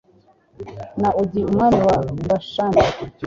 na Ogi umwami wa Bashani